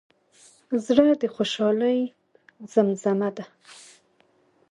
زړه د خوشحالۍ زیمزمه ده.